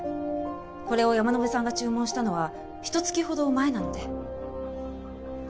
これを山野辺さんが注文したのはひと月ほど前なので。